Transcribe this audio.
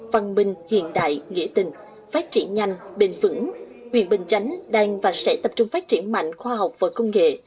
văn minh hiện đại nghĩa tình phát triển nhanh bền vững huyện bình chánh đang và sẽ tập trung phát triển mạnh khoa học và công nghệ